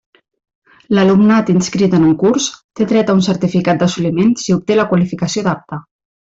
L'alumnat inscrit en un curs té dret a un certificat d'assoliment si obté la qualificació d'apte.